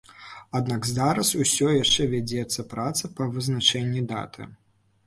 Аднак зараз усё яшчэ вядзецца праца па вызначэнні даты.